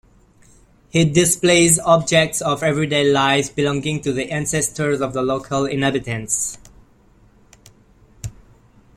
It displays objects of everyday life belonging to the ancestors of the local inhabitants.